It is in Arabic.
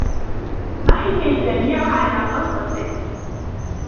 ضَحك الجميع على غلطتِهِ.